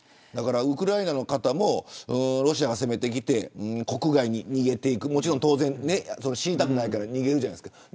ウクライナの方もロシアが攻めてきて国外に逃げていくもちろん、死にたくないから逃げるじゃないですか。